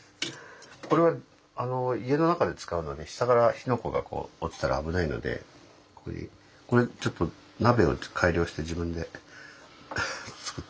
これは家の中で使うので下から火の粉が落ちたら危ないのでこれちょっと鍋を改良して自分で作ったんです。